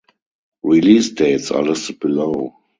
Release dates are listed below.